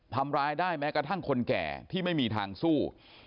ทำร้ายได้แม้กระทั่งคนแก่ที่ไม่มีทางสู้